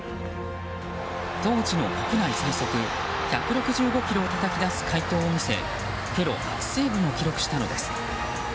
当時の国内最速１６５キロをたたき出す快投を見せプロ初セーブも記録したのです。